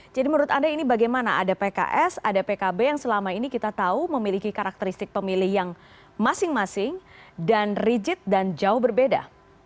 jadi menurut anda ini bagaimana ada pks ada pkb yang selama ini kita tahu memiliki karakteristik pemilih yang masing masing dan rigid dan jauh berbeda